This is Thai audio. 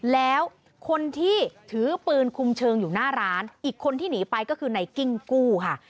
แล้วคนที่ถือปืนคุมเชิงอยู่หน้าร้านอีกคนที่หนีไปก็คือในกิ้งกู้ค่ะ